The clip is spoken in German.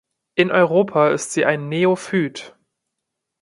In Europa ist sie ein Neophyt.